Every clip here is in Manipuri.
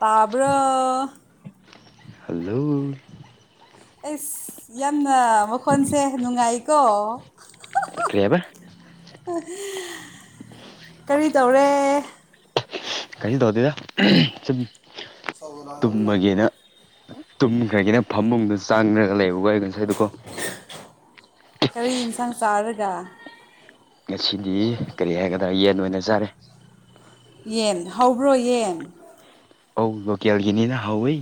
ꯇꯥꯕ꯭ꯔ ꯍꯜꯂꯣ ꯑꯩꯁ ꯌꯥꯝꯅ ꯃꯈꯣꯟꯁꯦ ꯅꯨꯡꯉꯥꯏꯀꯣ ꯀꯔꯤꯕ [unintelligible] ꯀꯔꯤ ꯇꯧꯔꯦ ꯀꯩꯁꯤꯗꯗꯗ ꯁ ꯂꯅꯦ ꯇꯨꯝꯈ꯭ꯔꯒꯤꯅ ꯐꯃꯨꯡꯗ ꯆꯪꯈ꯭ꯔꯒ ꯂꯩꯕꯒ ꯉꯁꯥꯏꯗꯨꯀꯣ ꯀꯔꯤ ꯌꯦꯟꯁꯥꯡ ꯆꯥꯔꯒ ꯉꯁꯤꯗꯤ ꯀꯔꯤ ꯍꯥꯏꯒꯗ꯭ꯔꯥ ꯌꯦꯟ ꯑꯣꯏꯅ ꯆꯥꯔꯦ ꯌꯦꯟ ꯍꯥꯎꯕ꯭ꯔꯣ ꯌꯦꯟ ꯑꯧ ꯂꯣꯀꯦꯜꯒꯤꯅꯤꯅ ꯍꯥꯎꯋꯦ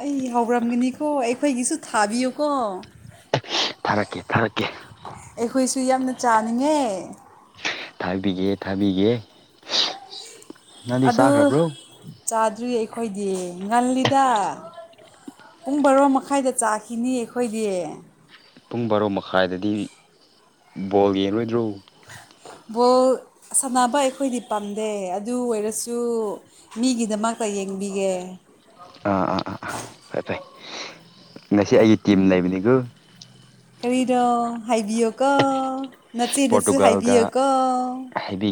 ꯑꯩ ꯍꯥꯎꯔꯝꯒꯅꯤꯀꯣ ꯑꯩꯈꯣꯏꯒꯤꯁꯨ ꯊꯥꯕꯤꯌꯨꯀꯣ ꯊꯥꯔꯛꯀꯦ ꯊꯥꯔꯛꯀꯦ ꯑꯩꯈꯣꯏꯁꯨ ꯌꯥꯝꯅ ꯆꯥꯅꯤꯡꯉꯦ ꯊꯥꯕꯤꯒꯦ ꯊꯥꯕꯤꯒꯦ ꯅꯪꯗꯤ ꯑꯗꯨ ꯆꯥꯈ꯭ꯔꯕ꯭ꯔꯣ ꯆꯥꯗ꯭ꯔꯤꯌꯦ ꯑꯩ ꯑꯩꯈꯣꯏꯗꯤ ꯉꯜꯂꯤꯗ ꯄꯨꯡ ꯕꯥꯔꯣ ꯃꯈꯥꯏꯗ ꯆꯥꯈꯤꯅꯤ ꯑꯩꯈꯣꯏꯗꯤ ꯄꯨꯡ ꯕꯥꯔꯣ ꯃꯈꯥꯏꯗꯗꯤ ꯕꯣꯜ ꯌꯦꯡꯔꯣꯏꯗ꯭ꯔꯣ ꯕꯣꯜ ꯁꯥꯟꯅꯕ ꯑꯩꯈꯣꯏꯗꯤ ꯄꯥꯝꯗꯦ ꯑꯗꯨ ꯑꯣꯏꯔꯁꯨ ꯃꯤꯒꯤꯗꯃꯛ ꯄ ꯌꯦꯡꯕꯤꯒꯦ ꯑꯥ ꯑꯥ ꯑꯥ ꯑꯥ ꯐꯩ ꯐꯩ ꯉꯁꯤ ꯑꯩꯒꯤ ꯇꯤꯝ ꯂꯩꯕꯅꯤꯀꯣ ꯀꯔꯤꯅꯣ ꯍꯥꯏꯕꯤꯌꯨꯀꯣ ꯅꯆꯦꯗꯁꯨ ꯍꯥꯏꯕꯤꯌꯨꯀꯣ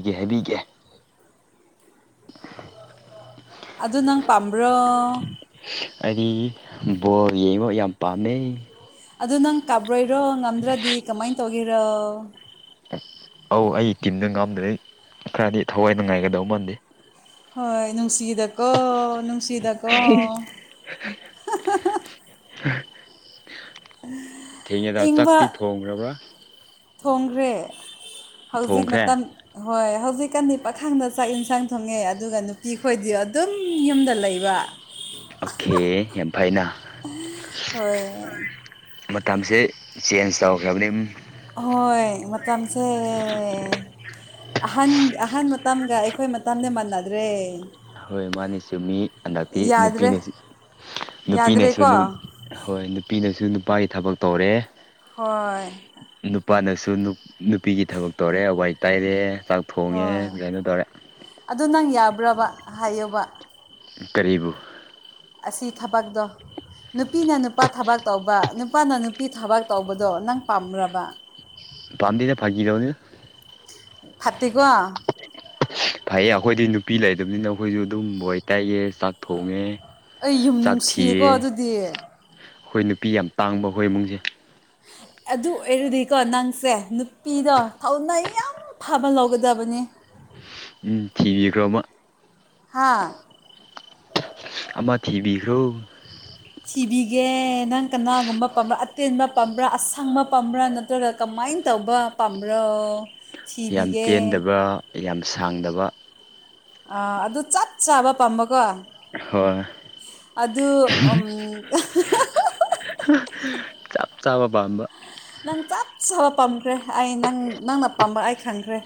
ꯀꯦ ꯍꯥꯏꯕꯤꯒꯦ ꯑꯗꯨ ꯅꯪ ꯄꯥꯝꯕ꯭ꯔꯣ ꯑꯩꯗꯤ ꯕꯣꯔ ꯌꯦꯡꯉꯣ ꯌꯥꯝ ꯄꯥꯝꯃꯦ ꯑꯗꯨ ꯅꯪ ꯀꯥꯕ꯭ꯔꯣꯏꯔꯣ ꯉꯝꯗ꯭ꯔꯗꯤ ꯀꯃꯥꯏ ꯇꯧꯒꯦꯔꯣ ꯑꯧ ꯑꯩ ꯇꯤꯝꯗ ꯉꯥꯝꯗ꯭ꯔꯩ ꯈꯔꯗꯤ ꯊꯋꯥꯏ ꯅꯨꯡꯉꯥꯏꯒꯗꯧ ꯃꯥꯟꯗꯦ ꯍꯣꯏ ꯅꯨꯡꯁꯤꯗꯀꯣ ꯅꯨꯡꯁꯤꯗꯀꯣ ꯊꯦꯡꯉꯦꯗ ꯆꯥꯛꯇꯤ ꯏꯪꯕ ꯊꯣꯡꯈ꯭ꯔꯕ꯭ꯔꯥ ꯊꯣꯡꯈ꯭ꯔꯦ ꯍꯧꯖꯤꯛ ꯊꯣꯡꯈ꯭ꯔꯦ ꯃꯇꯝ ꯍꯣꯏ ꯍꯧꯖꯤꯛꯀꯥꯟꯗꯤ ꯄꯥꯈꯥꯡꯗ ꯆꯥꯛ ꯏꯟꯁꯥꯡ ꯊꯣꯡꯉꯦ ꯑꯗꯨꯒ ꯅꯨꯄꯤ ꯈꯣꯏꯗꯤ ꯑꯗꯨꯝ ꯌꯨꯝꯗ ꯂꯩꯕ ꯑꯣꯀꯦ ꯌꯥꯝ ꯐꯩꯅ ꯍꯣꯏ ꯃꯇꯝꯁꯦ ꯆꯦꯟꯁ ꯇꯧꯈ꯭ꯔꯕꯅꯤꯝ ꯍꯣꯏ ꯃꯇꯝꯁꯦ ꯑꯍꯟ ꯑꯍꯟ ꯃꯇꯝꯒ ꯑꯩꯈꯣꯏ ꯃꯇꯝꯗꯤ ꯃꯥꯟꯅꯗ꯭ꯔꯦ ꯍꯣꯏ ꯃꯥꯅꯦ ꯆꯨꯝꯃꯤ ꯍꯟꯗꯛꯇꯤ ꯌꯥꯗ꯭ꯔꯦ ꯅꯨꯄꯤꯅꯁ ꯅꯨꯄꯤꯅꯁꯨ ꯌꯥꯗ꯭ꯔꯦꯀꯣ ꯍꯣꯏ ꯅꯨꯄꯤꯅꯁꯨ ꯅꯨꯄꯥꯒꯤ ꯊꯕꯛ ꯇꯧꯔꯦ ꯍꯣꯏ ꯅꯨꯄꯥꯅꯁꯨ ꯅꯨꯄꯤꯒꯤ ꯊꯕꯛ ꯇꯧꯔꯦ ꯋꯥꯏ ꯇꯩꯔꯦ ꯆꯥꯛ ꯊꯣꯡꯉꯦ ꯍꯣꯏ ꯒꯩꯅꯣ ꯇꯧꯔꯦ ꯑꯗꯨ [unintelligible] ꯍꯥꯏꯌꯣꯕ ꯀꯔꯤꯕꯨ ꯑꯁꯤ ꯊꯕꯛꯇꯣ ꯅꯨꯄꯤꯅ ꯅꯨꯄꯥ ꯊꯕꯛ ꯇꯧꯕ ꯅꯨꯄꯥꯅ ꯅꯨꯄꯤ ꯊꯕꯛ ꯇꯧꯕꯗꯣ ꯅꯪ ꯄꯥꯝꯕꯔꯕ ꯄꯥꯝꯗꯦꯗ ꯐꯒꯤ ꯇꯧꯅꯤ ꯐꯠꯇꯦꯀꯣ ꯐꯩꯌꯦ ꯑꯩꯈꯣꯏꯗꯤ ꯅꯨꯄꯤ ꯂꯩꯇꯕꯅꯤꯅ ꯑꯩꯈꯣꯏꯁꯨ ꯑꯗꯨꯝ ꯋꯥꯏ ꯇꯩꯌꯦ ꯆꯥꯛ ꯊꯣꯡꯉꯦ ꯑꯩ ꯌꯨꯝ ꯆꯥꯛ ꯅꯨꯡꯁꯤꯌꯦꯀꯣ ꯊꯤꯌꯦ ꯑꯗꯨꯗꯤ ꯑꯩꯈꯣꯏ ꯅꯨꯄꯤ ꯌꯥꯝ ꯇꯥꯡꯕ ꯑꯩꯈꯣꯏ ꯏꯃꯨꯡꯁꯦ ꯑꯗꯨ ꯑꯣꯏꯔꯗꯤꯀꯣ ꯅꯪꯁꯦ ꯅꯨꯄꯤꯗꯣ ꯊꯧꯅꯥ ꯌꯥꯝ ꯐꯕ ꯂꯧꯒꯗꯕꯅꯤ ꯊꯤꯕꯤꯈ꯭ꯔꯣꯕ ꯍꯥꯥ ꯑꯃ ꯊꯤꯕꯤꯈ꯭ꯔꯣ ꯊꯤꯕꯤꯒꯦ ꯅꯪ ꯀꯅꯥꯒꯨꯝꯕ ꯄꯥꯝꯕ꯭ꯔꯥ ꯑꯇꯦꯟꯕ ꯄꯥꯝꯕ꯭ꯔꯥ ꯑꯁꯪꯕ ꯄꯥꯝꯕ꯭ꯔꯥ ꯅꯠꯇ꯭ꯔꯒ ꯀꯝ ꯀꯃꯥꯏꯅ ꯇꯧꯕ ꯄꯥꯝꯕ꯭ꯔꯣ ꯌꯥꯝ ꯊꯤꯕꯤꯒꯦ ꯇꯦꯟꯗꯕ ꯌꯥꯝ ꯁꯥꯡꯗꯕ ꯑꯥ ꯑꯗꯨ ꯆꯞ ꯆꯥꯕ ꯄꯥꯝꯕꯀꯣ ꯍꯣꯏ ꯑꯗꯨ ꯆꯞ ꯆꯥꯕ ꯄꯥꯝꯕ ꯅꯪ ꯆꯞ ꯆꯥꯕ ꯄꯥꯝꯈ꯭ꯔꯦ ꯑꯩ ꯅꯪ ꯅꯪꯅ ꯄꯥꯝꯕ ꯑꯩ ꯈꯪꯈ꯭ꯔꯦ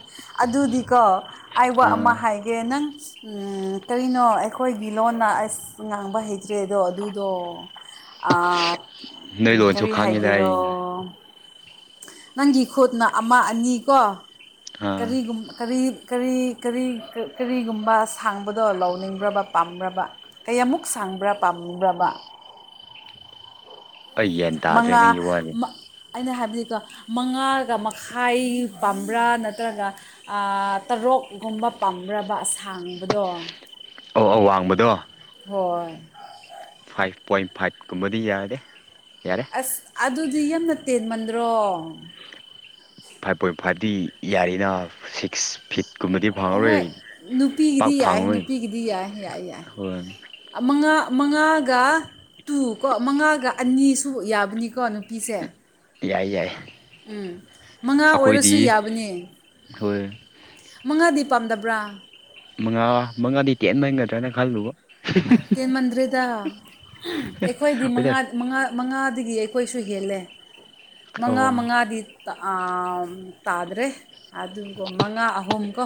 ꯑꯗꯨꯗꯤꯀꯣ ꯑꯩꯕ ꯑꯥ ꯑꯃ ꯍꯥꯏꯒꯦ ꯅꯪ ꯀꯅꯣ ꯑꯩꯈꯣꯏꯒꯤ ꯂꯣꯟꯅ ꯑꯁ ꯉꯥꯡꯕ ꯍꯩꯇ꯭ꯔꯦꯗꯣ ꯑꯗꯨꯗꯣ ꯅꯣꯏ ꯂꯣꯟꯁꯨ ꯀꯔꯤ ꯈꯪꯉꯤꯗ ꯍꯥꯏꯒꯦꯔꯣ ꯑꯩ ꯅꯪꯒꯤ ꯈꯨꯠꯅ ꯑꯃ ꯑꯅꯤ ꯀꯣ ꯑꯥ ꯀꯔꯤꯒ ꯀꯔꯤ ꯀꯔꯤ ꯀꯔꯤ ꯀꯔꯤꯒꯨꯝꯕ ꯁꯥꯡꯕꯗꯣ ꯂꯥꯎꯅꯤꯡꯕ꯭ꯔꯕ ꯄꯥꯝꯕ꯭ꯔꯕ ꯀꯌꯥꯃꯨꯛ ꯁꯥꯡ ꯄꯥꯡꯕ꯭ꯔꯥ ꯄꯥꯕ꯭ꯔꯕ ꯑꯩ ꯒ꯭ꯌꯥꯟ ꯇꯥꯗ꯭ꯔꯦ ꯃꯉꯥ ꯅꯪꯒꯤ ꯋꯥꯁꯦ ꯑꯩꯅ ꯍꯥꯏꯕꯗꯤ ꯃꯉꯥꯒ ꯃꯈꯥꯏ ꯄꯝꯕ꯭ꯔꯥ ꯅꯠꯇ꯭ꯔꯒ ꯇꯔꯨꯛꯀꯨꯝꯕ ꯄꯥꯝꯕ ꯑꯁꯥꯡꯕꯗꯣ ꯑꯧ ꯑꯧ ꯋꯥꯡꯕꯗꯣ ꯍꯣꯏ ꯐꯥꯏꯚ ꯄꯣꯏꯟ ꯐꯥꯏꯚ ꯀꯨꯝꯕꯗꯤ ꯌꯥꯔꯦ ꯑꯁ ꯑꯗꯨꯗꯤ ꯌꯥꯝꯅ ꯇꯦꯟꯃꯟꯗ꯭ꯔꯣ ꯐꯥꯏꯚ ꯄꯣꯏꯟ ꯐꯥꯏꯚꯇꯤ ꯌꯥꯔꯤꯅ ꯁꯤꯛꯁ ꯐꯤꯠꯀꯨꯝꯕꯗꯤ ꯍꯣꯏ ꯐꯪꯉꯔꯣꯏ ꯄꯥꯛ ꯅꯨꯄꯤꯒꯤꯗꯤ ꯌꯥꯏ ꯐꯪꯉꯔꯣꯏ ꯅꯨꯄꯤꯒꯤꯗꯤ ꯌꯥꯏ ꯌꯥꯏ ꯌꯥꯏ ꯍꯣꯏ ꯑꯃꯉꯥ ꯃꯉꯥꯒ ꯇꯨ ꯀꯣ ꯃꯉꯥꯒ ꯑꯅꯤꯁꯨ ꯌꯥꯕꯅꯤꯀꯣ ꯅꯨꯄꯤꯁꯦ ꯌꯥꯏ ꯌꯥꯏ ꯎꯝ ꯃꯉꯥ ꯑꯩꯈꯣꯏꯗꯤ ꯑꯣꯏꯔꯁꯨ ꯌꯥꯕꯅꯤ ꯍꯣꯏ ꯃꯉꯥꯗꯤ ꯄꯥꯝꯗꯕ꯭ꯔꯥ ꯃꯉꯥ ꯃꯉꯥꯗꯤ ꯇꯦꯟꯃꯟꯒꯗ꯭ꯔꯥꯅ ꯈꯜꯂꯨꯕ ꯑ ꯇꯦꯟ ꯃꯟꯗ꯭ꯔꯦꯗ ꯑꯩꯈꯣꯏꯗꯤ ꯍꯣꯏꯗ ꯃꯉꯥ ꯃꯉꯥ ꯑꯗꯨꯒꯤ ꯑꯩꯈꯣꯏꯁꯨ ꯍꯦꯜꯂꯦ ꯑꯣ ꯃꯉꯥ ꯃꯉꯥꯗꯤ ꯇꯥꯗ꯭ꯔꯦ ꯑꯗꯨꯒ ꯃꯉꯥ ꯑꯍꯨꯝ ꯀꯣ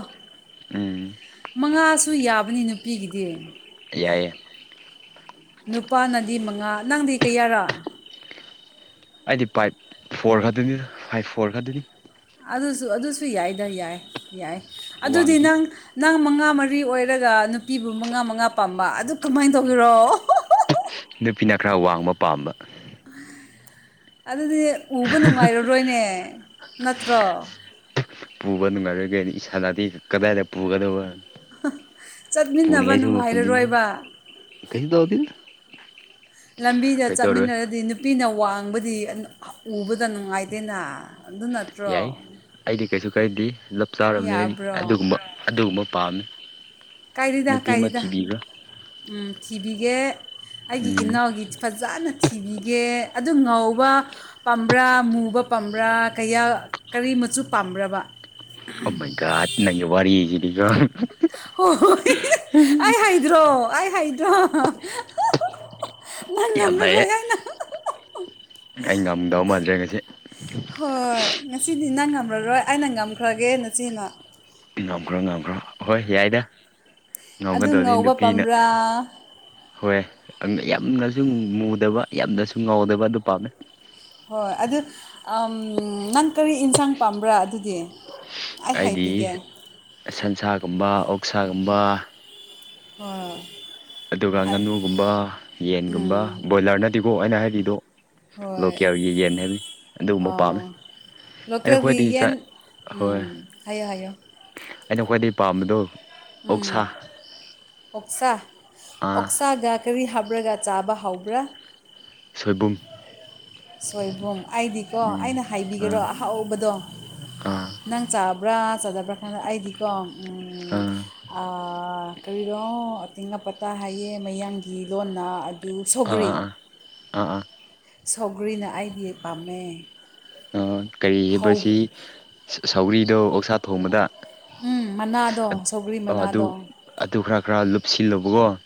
ꯎꯝ ꯃꯉꯥꯁꯨ ꯌꯥꯕꯅꯤ ꯅꯨꯄꯤꯒꯤꯗꯤ ꯌꯥꯏ ꯅꯨꯄꯥꯅꯗꯤ ꯃꯉꯥ ꯅꯪꯗꯤ ꯀꯌꯥꯔꯥ ꯑꯩꯗꯤ ꯐꯥꯏꯚ ꯐꯣꯔ ꯈꯔꯗꯨꯅꯤꯗ ꯐꯥꯏꯚ ꯐꯣꯔ ꯈꯔꯗꯨꯅꯤ ꯑꯗꯨꯁꯨ ꯑꯗꯨꯁꯨ ꯌꯥꯏꯗ ꯌꯥꯏ ꯌꯥꯏ ꯑꯗꯨꯗꯤ ꯋꯥꯡꯗꯦ ꯅꯪ ꯅꯪ ꯃꯉꯥ ꯃꯔꯤ ꯐ꯭ꯔꯤ ꯑꯣꯏꯔꯒ ꯅꯨꯄꯤꯕꯨ ꯃꯉꯥ ꯃꯉꯥ ꯄꯥꯝꯕ ꯑꯗꯨ ꯀꯃꯥꯏꯅ ꯇꯧꯕꯒꯔꯣ ꯅꯨꯄꯤꯅ ꯈꯔ ꯋꯥꯡꯕ ꯄꯥꯝꯕ ꯑꯗꯤ ꯎꯕ ꯅꯨꯡꯉꯥꯏꯔꯔꯣꯏꯅꯦ ꯅꯠꯇ꯭ꯔꯣ ꯍꯗꯗꯤ ꯀꯗꯥꯏꯗꯦ ꯄꯨꯒꯗꯧꯕ ꯆꯠꯃꯤꯟꯅꯕ ꯄꯨꯅꯤꯌꯥꯁꯤꯕꯄꯜꯗꯤꯕꯤ ꯅꯨꯡꯉꯥꯏꯔꯔꯣꯏꯕ ꯀꯁꯤ ꯎ ꯑꯃꯗꯤ ꯂꯝꯕꯤꯗ ꯆꯠꯃꯤꯟꯅꯔꯗꯤ ꯅꯨꯄꯤꯅ ꯋꯥꯡꯕꯗꯤ ꯎꯕꯗ ꯅꯨꯡꯉꯥꯏꯇꯦꯅ ꯑꯗꯨ ꯅꯠꯇ꯭ꯔꯣ ꯀꯩꯗꯤ ꯂꯞ ꯆꯥꯔꯕꯅꯤ ꯌꯥꯕ꯭ꯔꯣ ꯑꯗꯨꯒꯨꯝꯕ ꯑꯗꯨꯒꯨꯝꯕ ꯄꯥꯝꯃꯤ ꯀꯥꯏꯔꯤꯗ ꯀꯥꯏꯔꯤꯗ ꯎ ꯊꯤꯕꯤꯒꯦ ꯑꯩꯒꯤ ꯎꯝ ꯏꯅꯥꯎꯒꯤ ꯐꯖꯅ ꯀꯤꯕꯤꯒꯦ ꯑꯗꯨ ꯉꯧꯕ ꯄꯥꯝꯕ꯭ꯔꯥ ꯃꯨꯕ ꯄꯥꯝꯕ꯭ꯔꯥ ꯀꯌꯥ ꯀꯔꯤ ꯑꯨ ꯄꯥ꯭ꯔꯕ ꯑꯃ ꯀ ꯅꯪ ꯋꯥꯔꯤ ꯌꯦ ꯆꯗꯤꯀꯣ ꯍꯣꯏ ꯍꯣꯏ ꯑꯩ ꯍꯗ꯭ꯔꯣ ꯑꯩ ꯍꯥꯏꯗ꯭ꯔꯣ ꯃꯅ ꯌꯥꯝ ꯅꯝꯕꯅ ꯂꯣꯦ ꯐꯩꯌꯦ ꯍꯥꯏꯅ ꯑꯩ ꯉꯝꯗꯧ ꯃꯥꯟꯗ꯭ꯔꯦ ꯉꯁꯤ ꯍꯣꯏ ꯉꯁꯤꯗꯤ ꯅꯪ ꯉꯝꯃꯔꯣꯏ ꯑꯩꯅ ꯉꯝꯈ꯭ꯔꯒꯦ ꯅꯁꯤꯅ ꯉꯝꯈ꯭ꯔꯣ ꯉꯝꯈ꯭ꯔꯣ ꯑꯍꯣꯏ ꯌꯥꯏꯗ ꯑꯗꯨ ꯉꯣꯡꯒꯗꯕꯅꯤ ꯉꯧꯕ ꯅꯨꯄꯤꯅ ꯄꯥꯝꯕ꯭ꯔꯥ ꯍꯣꯏ ꯌꯥꯝ ꯉ ꯁ ꯃꯨꯗꯕ ꯌꯥꯝꯅꯁꯨ ꯉꯥꯎꯗꯕ ꯑꯗꯨ ꯄꯥꯝꯃꯦ ꯍꯣꯏ ꯑꯗꯨ ꯅꯪ ꯀꯔꯤ ꯌꯦꯟꯁꯥꯡ ꯄꯥꯝꯕ꯭ꯔꯥ ꯑꯗꯨꯗꯤ ꯑꯩ ꯍꯥꯏꯗꯤ ꯍꯥꯏꯕꯤꯒꯦ ꯁꯟꯁꯥꯒꯨꯝꯕ ꯑꯣꯛꯁꯥꯒꯨꯝꯕ ꯑꯣꯥ ꯑꯗꯨꯒ ꯉꯥꯅꯨꯒꯨꯝꯕ ꯌꯦꯟꯒꯨꯝꯕ ꯎꯝ ꯕꯣꯏꯂꯔꯅꯗꯤꯀꯣ ꯑꯩꯅ ꯍꯥꯏꯔꯤꯗꯣ ꯍꯣꯏ ꯂꯣꯀꯤꯌꯥꯒꯤ ꯌꯦꯟ ꯍꯥꯏꯕꯤ ꯑꯗꯨꯒꯨꯝꯕ ꯄꯥꯝꯃꯦ ꯑꯥꯎ ꯑꯩꯅ ꯂꯣꯀꯦꯜꯒꯤ ꯈ꯭ꯋꯥꯏꯗꯒꯤ ꯆꯥ ꯌꯦꯟ ꯍꯣꯏ ꯎꯝ ꯍꯥꯏꯌꯣ ꯍꯥꯏꯌꯣ ꯑꯩꯅ ꯈ꯭ꯋꯥꯏꯗꯒꯤ ꯄꯥꯝꯕꯗꯨꯣ ꯎꯝ ꯑꯣꯁꯥ ꯑꯥ ꯑꯣꯛꯁꯥꯒ ꯀ ꯍꯥ ꯍꯥꯕ꯭ꯔꯒ ꯆꯥꯕ ꯍꯧꯕ꯭ꯔꯥ ꯁꯣꯏꯕꯨꯝ ꯁꯣꯏꯕꯨꯝ ꯑꯩꯗꯤꯀꯣ ꯎꯝ ꯑꯩꯅ ꯍꯥꯏꯕꯤꯈꯔꯣ ꯑꯥ ꯑꯍꯥꯎꯕꯗꯣ ꯑꯥ ꯅꯪ ꯆꯥꯕ꯭ꯔꯥ ꯆꯥꯗꯕ꯭ꯔꯥ ꯀꯥꯟꯗ ꯑꯩꯗꯤꯀꯣ ꯑꯥ ꯀꯔꯤꯔꯣ ꯑꯇꯪ ꯑꯄꯇꯥ ꯍꯥꯏꯌꯦ ꯃꯌꯥꯡꯒꯤ ꯂꯣꯟꯅ ꯑꯗꯨ ꯑꯥ ꯑꯥ ꯁꯧꯒ꯭ꯔꯤ ꯑꯥ ꯑꯥ ꯑꯥ ꯁꯧꯒ꯭ꯔꯤꯅ ꯑꯩꯗꯤ ꯄꯥꯝꯃꯦ ꯑꯥ ꯀꯔꯤ ꯍꯧ ꯍꯥꯏꯕꯁꯤ ꯁꯧꯔꯤꯗꯣ ꯑꯣꯛꯁꯥ ꯊꯣꯡꯕꯗ ꯎꯝ ꯃꯅꯥꯗꯣ ꯁꯧꯒꯔꯤ ꯑꯥ ꯑꯗꯨ ꯃꯅꯥꯗꯣ ꯑꯗꯨ ꯈꯔ ꯈꯔ ꯂꯨꯞꯁꯤꯜꯂꯨꯕꯒꯣ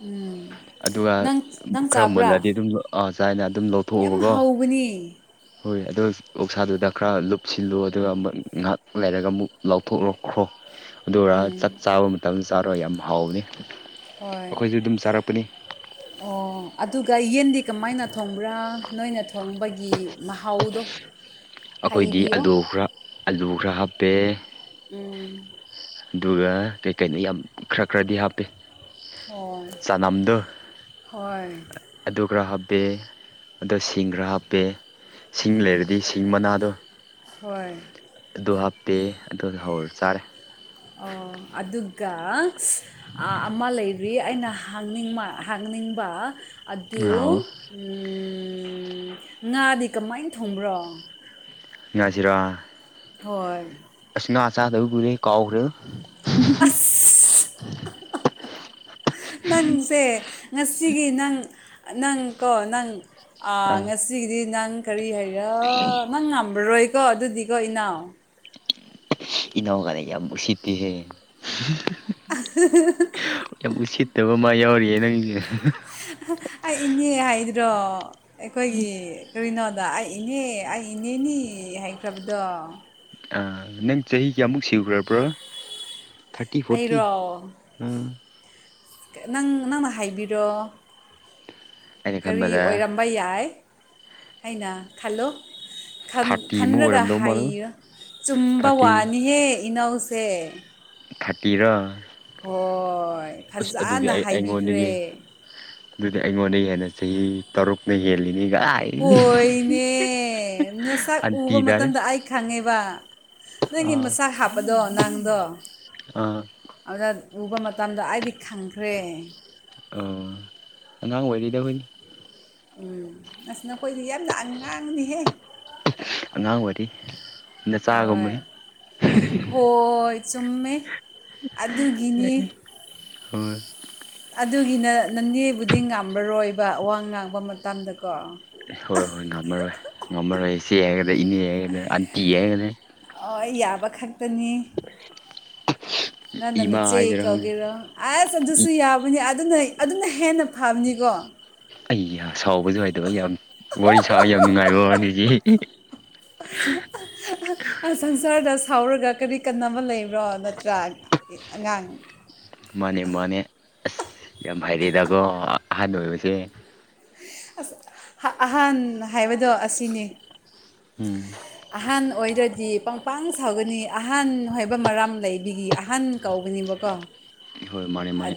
ꯎꯝ ꯑꯗꯨꯒ ꯅꯪ ꯅꯪ ꯈꯔ ꯆꯥꯕ꯭ꯔꯥ ꯃꯨꯜꯂꯗꯤ ꯑꯗꯨꯝ ꯑ ꯆꯥꯏꯅ ꯑꯗꯨꯝ ꯌꯥꯝ ꯂꯧꯊꯣꯛꯎꯕꯀꯣ ꯍꯧꯕꯅꯤ ꯍꯣꯏ ꯑꯗꯨ ꯑꯗꯨ ꯑꯣꯁꯥꯗꯨꯗ ꯈꯔ ꯂꯨꯞꯁꯤꯜꯂꯨ ꯑꯗꯨꯒ ꯑꯃꯨꯛ ꯉꯥꯏꯍꯥꯛ ꯂꯩꯔꯒ ꯑꯃꯨꯛ ꯂꯥꯎꯊꯣꯛꯂꯛꯈ꯭ꯔꯣ ꯑꯗꯨꯔꯒ ꯆꯥꯛ ꯆꯥꯕ ꯃꯇꯝꯗ ꯆꯥꯔ ꯌꯥꯝ ꯍꯥꯎꯅꯤ ꯍꯣꯏ ꯑꯩꯈꯣꯏꯁꯨ ꯑꯗꯨꯝ ꯆꯥꯔꯛꯄꯅꯤ ꯑꯣ ꯑꯗꯨꯒ ꯌꯦꯟꯗꯤ ꯀꯃꯥꯏꯅ ꯊꯣꯡꯕ꯭ꯔꯥ ꯅꯣꯏꯅ ꯊꯣꯡꯕꯒꯤ ꯃꯍꯥꯎꯗꯣ ꯑꯩꯈꯣꯏꯗꯤ ꯍꯥꯏꯕꯤꯌꯣ ꯑꯂꯨ ꯈꯔ ꯑꯂꯨ ꯈꯔ ꯍꯥꯞꯄꯦ ꯎꯝ ꯑꯗꯨꯒ ꯀꯩꯀꯩꯅꯣ ꯌꯥꯝ ꯈꯔ ꯈꯔꯗꯤ ꯍꯥꯞꯄꯤꯦ ꯍꯣꯏ ꯍꯣꯏ ꯑꯗꯨ ꯈꯔ ꯍꯥꯞꯄꯦ ꯑꯗ ꯁꯤꯡ ꯈꯔ ꯍꯥꯞꯄꯦ ꯁꯤꯡ ꯂꯩꯔꯗꯤ ꯁꯤꯡ ꯃꯅꯥꯗꯣ ꯍꯣꯏ ꯑꯗꯨ ꯍꯥꯞꯄꯦ ꯑꯗꯨꯒ ꯍꯧꯔ ꯆꯥꯔꯦ ꯑꯣ ꯑꯗꯨꯒ ꯑꯃ ꯂꯩꯔꯤ ꯑꯩꯅ ꯍꯪꯅꯤꯡ ꯅꯤꯡꯕ ꯑꯗꯨ ꯉꯥꯎ ꯉꯥꯗꯤ ꯀꯃꯥꯏꯅ ꯊꯣꯡꯕ꯭ꯔꯣ ꯉꯖꯔꯥ ꯍꯣꯏ ꯆꯥꯗꯕ ꯨꯔꯦ ꯀꯥꯎꯈ꯭ꯔꯦ ꯑꯁ ꯅꯪꯁꯦ ꯉꯁꯤꯒꯤ ꯅꯪ ꯅꯪꯀꯣ ꯅꯪ ꯑ ꯑꯥ ꯉꯁꯤꯒꯤꯗꯤ ꯅꯪ ꯀꯔꯤ ꯍꯥꯏꯔꯥ ꯅꯪ ꯉꯝꯕꯔꯣꯏꯀꯣ ꯑꯗꯨꯗꯤꯀꯣ ꯏꯅꯥꯎ ꯇꯧꯔ ꯀꯥꯟꯗ ꯌꯥꯝ ꯅꯨꯡꯁꯤꯠꯇꯦꯁꯦ [inaudible] ꯌꯥꯝ ꯎꯁꯤꯠꯇꯕ ꯃꯥ ꯌꯥꯎꯔꯤꯌꯦ ꯅꯪꯒꯤꯁꯦ ꯑꯩ ꯏꯅꯦ ꯍꯥꯏꯗ꯭ꯔꯣ ꯑꯩꯈꯣꯏꯒꯤ ꯀꯔꯤꯅꯣ ꯑꯗ ꯑꯩ ꯏꯅꯦ ꯑꯩ ꯏꯅꯦꯅꯦ ꯍꯥꯏꯈ꯭ꯔꯕꯗꯣ ꯅꯪ ꯆꯍꯤ ꯀꯌꯥꯃꯨꯛ ꯁꯤꯨꯈ꯭ꯔꯕ꯭ꯔꯣ ꯊꯥꯔꯇꯤ ꯐꯣꯔꯇꯤ ꯑꯩꯔꯣ ꯑꯥ ꯅꯪ ꯅꯪꯅ ꯍꯥꯏꯕꯤꯔꯣ ꯑꯩꯅ ꯀꯔꯤ ꯈꯟꯕꯗ ꯑꯣꯏꯔꯝꯕ ꯌꯥꯏ ꯑꯩꯅ ꯈꯜꯂꯨ ꯊꯥꯔꯇꯤꯃꯨꯛ ꯈꯟꯂꯒ ꯑꯣꯏꯔꯝꯗꯧ ꯃꯥꯜꯂ ꯍꯥꯏꯌ ꯆꯨꯝꯕ ꯊꯥꯔꯇꯤ ꯋꯥꯅꯤꯍꯦ ꯏꯅꯧꯁꯦ ꯐꯥꯄꯤꯔ ꯍꯣꯏ ꯐꯖꯅ ꯑꯩ ꯍꯥꯏꯕꯤꯈ꯭ꯔꯦ ꯑꯩꯉꯣꯟꯗꯒꯤ ꯑꯗꯨꯗꯤ ꯑꯩꯉꯣꯟꯗ ꯍꯦꯟꯅ ꯆꯍꯤ ꯇꯔꯨꯛꯅ ꯍꯦꯜꯂꯤ ꯀꯣꯏꯅꯦ ꯅꯁꯛ ꯎꯕ ꯑꯟꯇꯤꯗꯔꯦ ꯃꯇꯝꯗ ꯑꯩ ꯈꯪꯉꯦꯕ ꯅꯪꯒꯤ ꯑꯥ ꯃꯆꯥꯛ ꯍꯥꯞꯄꯗꯣ ꯅꯪꯗꯣ ꯑꯥ ꯑꯗꯨꯗ ꯎꯕ ꯃꯇꯝꯗ ꯑꯩꯗꯤ ꯈꯪꯈ꯭ꯔꯦ ꯑꯣ ꯑꯉꯥꯡ ꯑꯣꯏꯔꯣꯏꯗꯕꯅꯤ ꯎꯝ ꯑꯁ ꯅꯈꯣꯏꯗꯤ ꯌꯥꯝ ꯂ ꯉꯥꯡꯅꯤꯍꯦ ꯑꯉꯥꯡ ꯑꯣꯏꯔꯤ ꯍꯣꯏ ꯅꯆꯥꯒꯨꯝꯍꯩ ꯍꯣꯏ ꯆꯨꯝꯃꯦ ꯑꯗꯨꯒꯤꯅꯤ ꯍ ꯑꯗꯨꯒꯤꯅ ꯅꯟꯅꯦꯦꯕꯨꯗꯤ ꯉꯥꯃꯔꯣꯏꯕ ꯋꯥ ꯉꯥꯡꯕ ꯃꯇꯝꯗꯀꯣ ꯍꯣꯏ ꯍꯣꯏ ꯉꯝꯃꯔꯣꯏ ꯉꯝꯃꯔꯣꯏ ꯁꯤꯦ ꯍꯥꯏꯒ ꯏꯅꯦ ꯍꯒꯅꯦ ꯑꯟꯇꯤ ꯌꯦꯒꯅꯦ ꯑꯅꯤ ꯅ ꯅ ꯅ ꯏꯃꯥ ꯆꯦꯛ ꯍꯥꯏꯁꯤꯔꯥ ꯈꯪꯗꯦ ꯑꯣꯏꯒꯦꯔ ꯑꯁ ꯑꯗꯨꯁꯨ ꯌꯥꯕꯅꯤ ꯑꯗꯨꯅ ꯑꯗꯨꯅ ꯍꯦꯟꯅ ꯐꯕꯅꯤꯀꯣ ꯑꯩ ꯁꯥꯎꯕꯁꯨ ꯍꯥꯏꯗꯕ ꯌꯥꯝ ꯋꯥꯔꯤ ꯁꯥꯕ ꯌꯥꯝ ꯅꯨꯡꯉꯥꯏꯕ ꯋꯥꯅꯤꯖꯤ [inaudible] ꯁꯪꯁꯥꯔꯗ ꯁꯥꯎꯔꯒ ꯀꯔꯤ ꯀꯟꯅꯕ ꯂꯩꯕ꯭ꯔꯣ ꯅꯠꯇ꯭ꯔꯥ ꯑꯉꯥꯡ ꯃꯥꯅꯦ ꯃꯥꯅꯦ ꯑꯁ ꯌꯥꯝ ꯍꯥꯏꯩꯔꯦꯗꯀꯣ ꯑꯍꯥꯟꯕ ꯑꯣꯏꯕꯁꯦ ꯑꯁ ꯑꯍꯥꯟ ꯍꯥꯏꯕꯗꯣ ꯑꯁꯤꯅꯤ ꯎꯝ ꯑꯍꯟ ꯑꯣꯏꯔꯗꯤ ꯄꯪꯄꯥꯡ ꯁꯥꯎꯒꯅꯤ ꯑꯍꯟ ꯍꯥꯏꯕ ꯃꯔꯥꯝ ꯂꯩꯕꯤꯒꯤ ꯑꯍꯟ ꯀꯧꯕꯧ ꯑꯣꯏꯅꯤꯡꯕꯀꯣ ꯍꯣꯏ ꯃꯥꯅꯦ ꯃꯥꯅꯦ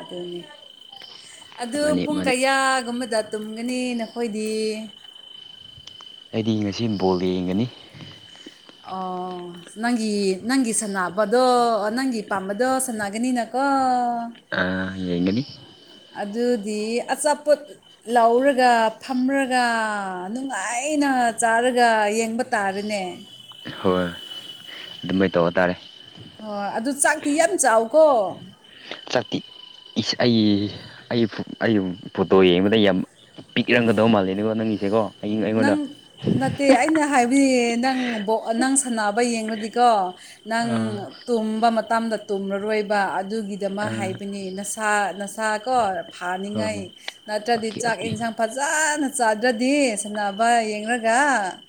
ꯑꯗꯨꯅꯤ ꯑꯗꯨ ꯃꯥꯅꯦ ꯄꯨꯡ ꯃꯥꯅꯦ ꯀꯌꯥꯒꯨꯝꯕꯗ ꯇꯨꯝꯒꯅꯤ ꯅꯈꯣꯏꯗꯤ ꯑꯩꯗꯤ ꯉꯁꯤ ꯕꯣꯜꯗ ꯌꯦꯡꯒꯅꯤ ꯑꯣ ꯅꯪꯒꯤ ꯅꯪꯒꯤ ꯁꯥꯟꯅꯕꯗꯣ ꯅꯪꯒꯤ ꯄꯥꯝꯕꯗꯣ ꯁꯥꯟꯅꯒꯅꯤꯅꯀꯣ ꯑ ꯌꯦꯉꯅꯤ ꯑꯗꯨꯗꯤ ꯑꯆꯥꯄꯣꯠ ꯂꯧꯔꯒ ꯐꯝꯔꯒ ꯅꯨꯡꯉꯥꯏ ꯑꯩꯅ ꯆꯥꯔꯒ ꯌꯦꯡꯕ ꯇꯥꯔꯦꯅꯦ ꯍꯣꯏ ꯑꯗꯨꯃꯥꯏꯅ ꯇꯧꯕ ꯇꯥꯔꯦ ꯍꯣꯏ ꯑꯗꯨ ꯆꯥꯛꯇꯤ ꯌꯥꯝ ꯆꯥꯎꯀꯣ ꯆꯇ ꯑꯩ ꯑꯩ ꯐꯣꯇꯣ ꯌꯦꯡꯕꯗ ꯌꯥꯝ ꯄꯤꯛꯔꯝꯒꯗꯕ ꯃꯥꯜꯂꯦꯅꯦꯀꯣ ꯅꯪꯒꯤ ꯅꯪ ꯅꯠꯇꯦ ꯑꯩꯅ ꯍꯥꯏꯕ ꯍꯥꯏꯗꯤ ꯅꯪ ꯅꯪ ꯁꯥꯟꯅꯕ ꯌꯦꯡꯗꯤꯀꯣ ꯅꯪ ꯑꯥ ꯇꯨꯝꯕ ꯃꯇꯝꯗ ꯇꯨꯝꯂꯔꯣꯏꯕ ꯑꯗꯨꯒꯤꯗꯃꯛ ꯑꯥ ꯍꯥꯏꯕꯅꯤ ꯅꯁꯥ ꯅꯁꯥ ꯀꯣ ꯍꯣꯏ ꯍꯣꯏ ꯐꯥꯅꯤꯡꯉꯥꯏ ꯅꯠꯇ꯭ꯔꯗꯤ ꯑꯣꯀꯦ ꯆꯥꯛ ꯑꯣꯀꯦ ꯏꯟꯁꯥꯡ ꯐꯖꯅ ꯆꯥꯗ꯭ꯔꯗꯤ ꯁꯅꯕ ꯌꯦꯡꯒ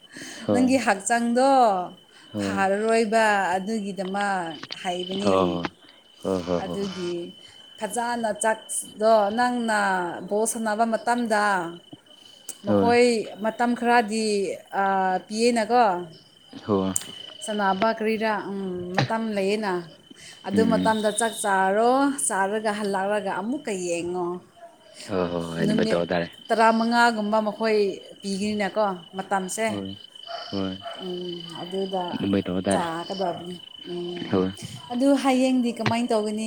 ꯍꯣꯏ ꯅꯪꯒꯤ ꯍꯛꯆꯥꯡꯗꯣ ꯍꯣꯏ ꯐꯥꯔꯔꯣꯏꯕ ꯑꯗꯨꯒꯤꯗꯃꯛ ꯍꯣꯏ ꯍꯥꯏꯕꯅꯤ ꯍꯣꯏ ꯍꯣꯏ ꯍꯣꯏ ꯑꯗꯨꯒꯤ ꯐꯖꯅ ꯆꯥꯛꯗꯣ ꯅꯪꯅ ꯕꯣꯠ ꯁꯥꯟꯅꯕ ꯃꯇꯝ ꯗ ꯍꯣꯏ ꯃꯈꯣꯏ ꯃꯇꯝ ꯈꯔꯗꯤ ꯄꯤꯌꯦꯅꯀꯣ ꯍꯣꯏ ꯍꯣꯏ ꯁꯅꯕ ꯀꯔꯤꯔꯥ ꯃꯇꯝ ꯂꯩꯌꯦꯅ ꯑꯗꯨ ꯎꯝ ꯃꯇꯝꯗ ꯆꯥꯛ ꯆꯥꯔꯣ ꯆꯥꯔꯒ ꯍꯜꯂꯛꯑꯒ ꯑꯃꯨꯛꯀ ꯌꯦꯡꯉꯣ ꯍꯣꯏ ꯍꯣꯏ ꯍꯣꯏ ꯑꯗꯨꯅꯝ ꯅꯨꯃꯤꯠ ꯇꯧꯕꯇꯥꯥꯔꯦ ꯇꯔꯥꯃꯉꯥꯒꯨꯝꯕ ꯃꯈꯣꯏ ꯄꯤꯒꯅꯤꯅꯦꯀꯣ ꯃꯇꯝꯁꯦ ꯍꯣꯏ ꯍꯣꯏ ꯎ ꯑꯗꯨꯗ ꯑꯗꯨꯃꯥꯏꯅ ꯇꯧꯕ ꯇꯥꯔꯦ ꯆꯥꯀꯕꯕꯅꯤ ꯎꯝ ꯍꯣꯏ ꯑꯗꯨ ꯍꯌꯦꯡꯗꯤ ꯀꯃꯥꯏꯅ ꯇꯧꯒꯅꯤ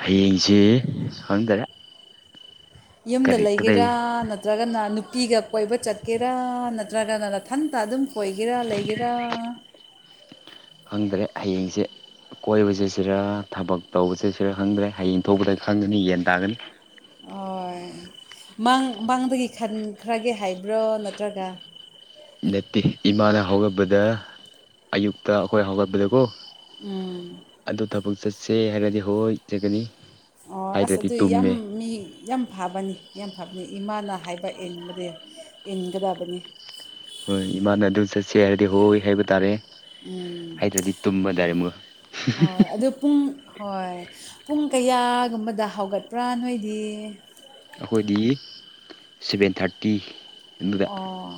ꯍꯌꯦꯡꯁꯦ ꯈꯪꯗꯔꯦ ꯌꯨꯝꯗ ꯀꯔꯤ ꯂꯩꯒꯦꯔꯥ ꯀꯗꯩ ꯅꯠꯇ꯭ꯔꯒꯅ ꯅꯨꯄꯤꯒ ꯀꯣꯏꯕ ꯆꯠꯀꯦꯔꯥ ꯅꯠꯇ꯭ꯔꯒꯅꯊꯟꯇ ꯑꯗꯨꯝ ꯀꯣꯏꯒꯦꯔꯥ ꯂꯩꯒꯦꯔꯥ ꯐꯪꯗ꯭ꯔꯦ ꯍꯌꯦꯡꯁꯦ ꯀꯣꯏꯕꯁꯦ ꯁꯤꯔ ꯊꯕꯛ ꯇꯧꯕꯁꯦ ꯁꯤꯔ ꯈꯪꯗ꯭ꯔꯦ ꯍꯌꯦꯡ ꯊꯣꯛꯄꯗ ꯈꯪꯒꯅꯤ ꯌꯦꯟ ꯇꯥꯒꯅꯤ ꯍꯣꯏ ꯃꯥꯡ ꯃꯥꯡꯗꯒꯤ ꯈꯟꯈ꯭ꯔꯒꯦ ꯍꯥꯏꯕ꯭ꯔꯣ ꯅꯠꯇ꯭ꯔꯒ ꯅꯠꯇꯦ ꯏꯃꯥꯅ ꯍꯧꯒꯠꯄꯗ ꯑꯌꯨꯛꯇ ꯑꯩꯈꯣꯏ ꯍꯧꯒꯠꯄꯗꯀꯣ ꯎꯝ ꯑꯗꯨ ꯊꯕꯛ ꯆꯠꯁꯦ ꯍꯥꯏꯔꯒꯗꯤ ꯍꯣꯏ ꯆꯠꯒꯅꯤ ꯑꯣ ꯑꯁ ꯑꯗꯨ ꯌꯥꯝ ꯃꯤ ꯌꯥꯝ ꯌꯥꯝ ꯐꯕꯅꯤ ꯌꯥꯝ ꯐꯕꯅꯤ ꯏꯃꯥꯅ ꯍꯥꯏꯕꯟ ꯏꯟꯒꯗꯕꯅꯤ ꯍꯣꯏ ꯏꯃꯥꯅ ꯑꯗꯨ ꯆꯠꯁꯦ ꯍꯥꯏꯔꯗꯤ ꯍꯣꯏ ꯍꯥꯏꯕ ꯇꯥꯔꯦ ꯎꯝ ꯍꯥꯏꯗ꯭ꯔꯗꯤ ꯇꯨꯝꯝꯕ ꯔꯦ ꯑꯃꯒ ꯍꯣꯏ ꯑꯗꯨ ꯄꯨꯡ ꯍꯣꯏ ꯄꯨꯡ ꯀꯌꯥꯒꯨꯝꯕꯗ ꯍꯧꯒꯠꯄ꯭ꯔꯥ ꯅꯣꯏꯗꯤ ꯑꯩꯈꯣꯏꯗꯤ ꯁꯚꯦꯟ ꯊꯥꯔꯇꯤ ꯑꯗꯨꯗ ꯑꯣ